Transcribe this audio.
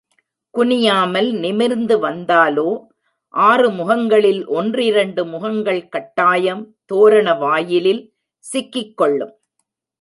குனியாமல், நிமிர்ந்து வந்தாலோ ஆறு முகங்களில் ஒன்றிரண்டு முகங்கள் கட்டாயம் தோரணவாயிலில் சிக்கிக் கொள்ளும்.